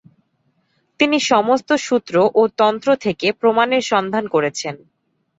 তিনি সমস্ত সূত্র ও তন্ত্র থেকে প্রমাণের সন্ধান করেছেন।